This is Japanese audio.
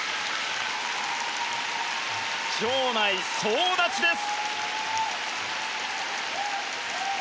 場内、総立ちです！